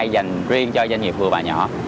dành riêng cho doanh nghiệp vừa và nhỏ